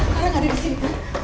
clara gak ada disini